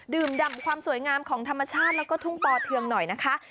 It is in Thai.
ดำความสวยงามของธรรมชาติแล้วก็ทุ่งปอเทืองหน่อยนะคะ